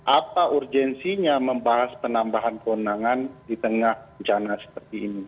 apa urgensinya membahas penambahan kewenangan di tengah bencana seperti ini